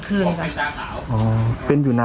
จัดกระบวนพร้อมกัน